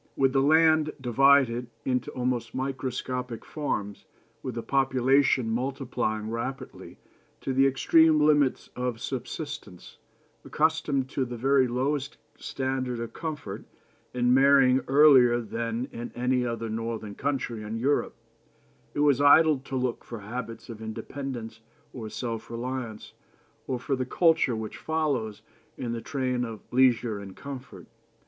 With the land divided into almost microscopic farms, with a population multiplying rapidly to the extreme limits of subsistence, accustomed to the very lowest standard of comfort, and marrying earlier than in any other northern country in Europe, it was idle to look for habits of independence or self reliance, or for the culture which follows in the train of leisure and comfort.